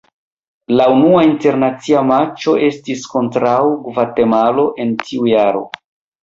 La unua internacia matĉo estis kontraŭ Gvatemalo en tiu jaro.